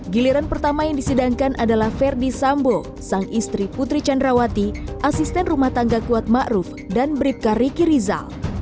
giliran pertama yang disidangkan adalah ferdi sambo sang istri putri candrawati asisten rumah tangga kuat ma'ruf dan beribka riki rizal